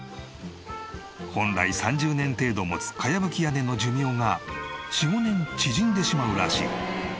本来３０年程度持つ茅葺き屋根の寿命が４５年縮んでしまうらしい。